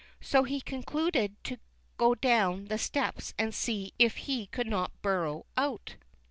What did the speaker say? So he concluded to go down the steps and see if he could not burrow out.